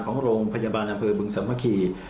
ของโรงพยาบาลอำเภอบึงสัมภิกษ์